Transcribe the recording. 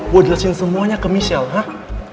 gua jelasin semuanya ke michelle hah